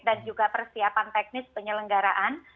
dan juga persiapan teknis penyelenggaraan